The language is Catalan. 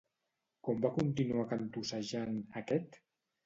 Com va continuar cantussejant aquest?